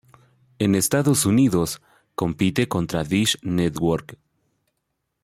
En Estados Unidos, compite contra Dish Network.